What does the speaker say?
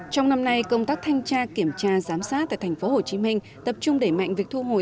trong năm nay công tác thanh tra kiểm tra giám sát tại tp hcm tập trung đẩy mạnh việc thu hồi